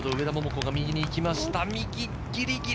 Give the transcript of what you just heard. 先ほど上田桃子が右に行きました。